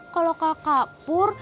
kalau kakak pur